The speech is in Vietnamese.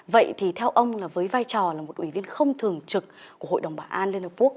vậy thì theo ông là với vai trò là một ủy viên không thường trực của hội đồng bảo an liên hợp quốc